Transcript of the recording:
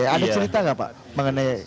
ada cerita nggak pak mengenai